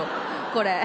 これ。